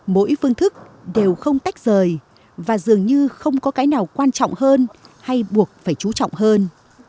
mỗi phương thức đều không tách rời và dường như không có cái nào quan trọng hơn hay buộc phải chú trọng hơn